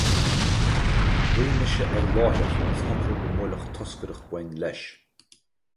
Ghlaoigh mise ar láithreach agus shocraigh go mbuailfeadh toscaireacht uainn leis.